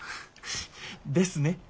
ですね。